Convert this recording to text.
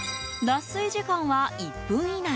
脱水時間は１分以内。